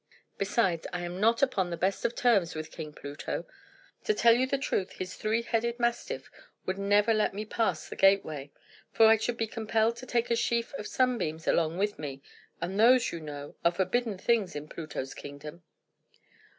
Besides, I am not upon the best of terms with King Pluto. To tell you the truth, his three headed mastiff would never let me pass the gateway; for I should be compelled to take a sheaf of sunbeams along with me, and those, you know, are forbidden things in Pluto's kingdom."